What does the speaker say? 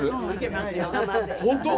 本当？